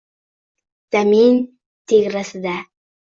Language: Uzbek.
Zamin tegrasiga